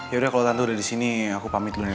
ya udah kalau tante udah disini aku pamit dulu ya